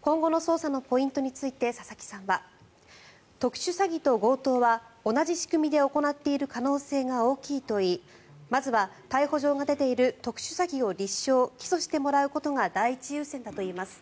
今後の捜査のポイントについて佐々木さんは特殊詐欺と強盗は同じ仕組みで行っている可能性が大きいといいまずは逮捕状が出ている特殊詐欺を立証・起訴してもらうことが第一優先だといいます。